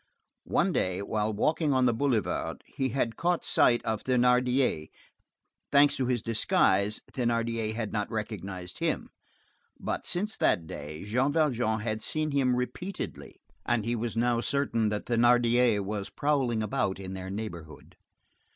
One day, while walking on the boulevard, he had caught sight of Thénardier; thanks to his disguise, Thénardier had not recognized him; but since that day, Jean Valjean had seen him repeatedly, and he was now certain that Thénardier was prowling about in their neighborhood.